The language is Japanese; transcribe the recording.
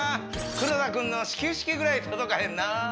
黒田君の始球式ぐらい届かへんなぁ。